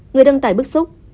người đăng tải bức xúc